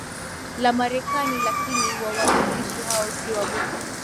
la Marekani lakini wawakilishi hao si wabunge